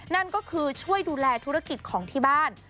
นั่นก็คือช่วยดูแลธุรกิจของที่บ้าน